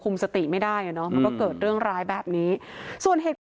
คุมสติไม่ได้นะมันก็เกิดเรื่องร้ายแบบนี้ส่วนเหตุ